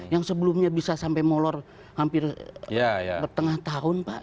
yang sebelumnya bisa sampai molor hampir setengah tahun pak